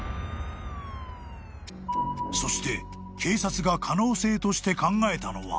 ［そして警察が可能性として考えたのは］